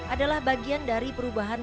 adalah bagian dari perubahan